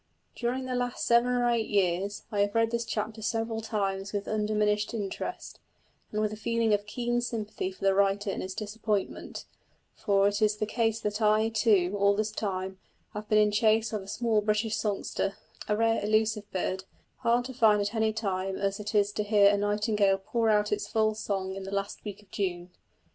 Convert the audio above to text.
During the last seven or eight years I have read this chapter several times with undiminished interest, and with a feeling of keen sympathy for the writer in his disappointment; for it is the case that I, too, all this time, have been in chase of a small British songster a rare elusive bird, hard to find at any time as it is to hear a nightingale pour out its full song in the last week in June.